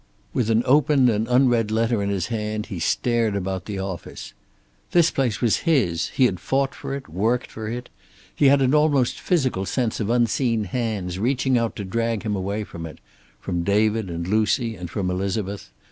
With an open and unread letter in his hand he stared about the office. This place was his; he had fought for it, worked for it. He had an almost physical sense of unseen hands reaching out to drag him away from it; from David and Lucy, and from Elizabeth.